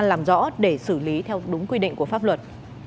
làm rõ để xử lý theo đúng quy định của pháp luật